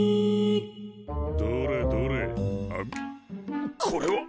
どれどれあむこれは！